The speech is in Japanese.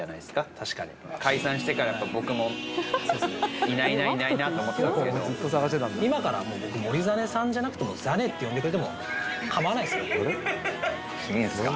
確かに解散してからやっぱ僕もいないないないなと思ってたんですけど今からもう僕って呼んでくれてもかまわないですよいいですか？